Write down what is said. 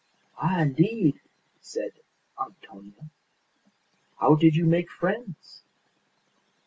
"Ah, indeed!" said Antonia. "How did you make friends?"